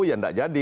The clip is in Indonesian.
ya tidak jadi